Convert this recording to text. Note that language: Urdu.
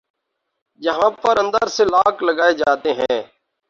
جہاں پر اندر سے لاک لگائے جاتے ہیں